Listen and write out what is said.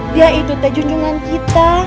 dia itu teh junjungan kita